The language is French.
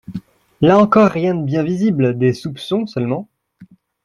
Là encore, rien de bien visible, des soupçons seulement